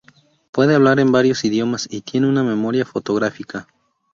Puede hablar en varios idiomas y tiene una memoria fotográfica.